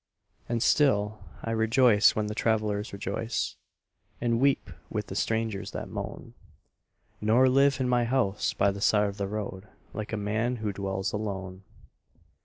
And still I rejoice when the travelers rejoice And weep with the strangers that moan, Nor live in my house by the side of the road Like a man who dwells alone.